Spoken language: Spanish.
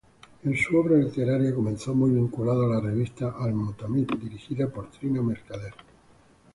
Su obra literaria comenzó muy vinculada a la revista "Al-Motamid", dirigida por Trina Mercader.